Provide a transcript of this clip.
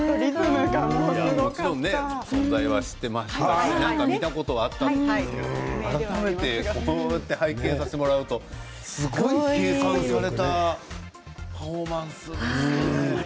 もちろん存在は知っていましたし、見たことはあったんですけど改めて拝見させてもらうとすごいパフォーマンスですね。